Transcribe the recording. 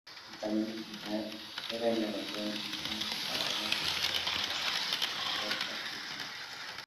El tamaño final era relativamente pequeño, comparable al de las corbetas británicas.